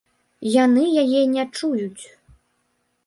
Яны яе не чуюць.